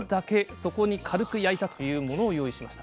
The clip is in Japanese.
そこに軽く焼いたというものを用意しました。